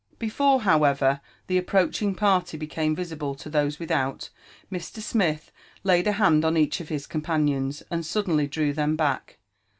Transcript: Before, however, the approaching party became visible to those without, Mr. Smith laid a hand on each of his companions, and sud denly drew them back.